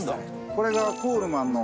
これがコールマンの。